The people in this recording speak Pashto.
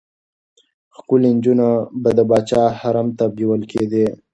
ښکلې نجونې به د پاچا حرم ته بېول کېدې.